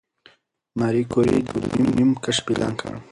ماري کوري د پولونیم کشف اعلان کړ.